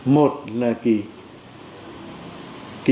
một là chuyên nghiệp đỉnh chế